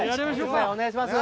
お願いします。